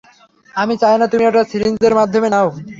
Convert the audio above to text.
আমি চাই না তুমি এটা সিরিঞ্জের মাধ্যমে নাও।